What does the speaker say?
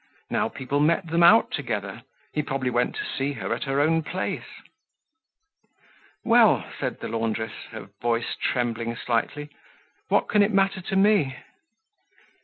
Now people met them out together; he probably went to see her at her own place. "Well," said the laundress, her voice trembling slightly, "what can it matter to me?"